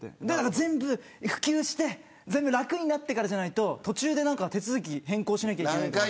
全部、普及して全部、楽になってからじゃないと途中で手続き変更をしないといけないから。